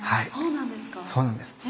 そうなんですか。